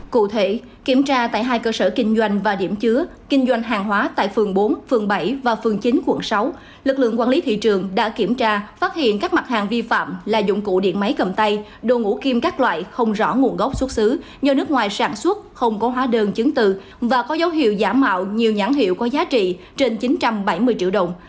cụ thể kiểm tra tại hai cơ sở kinh doanh và điểm chứa kinh doanh hàng hóa tại phường bốn phường bảy và phường chín quận sáu lực lượng quản lý thị trường đã kiểm tra phát hiện các mặt hàng vi phạm là dụng cụ điện máy cầm tay đồ ngũ kim các loại không rõ nguồn gốc xuất xứ do nước ngoài sản xuất không có hóa đơn chứng tự và có dấu hiệu nhãn hiệu có giá trị trên chín trăm bảy mươi triệu đồng